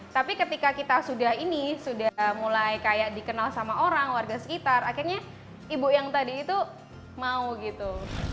tapi ketika kita sudah ini sudah mulai kayak dikenal sama orang warga sekitar akhirnya ibu yang tadi itu mau gitu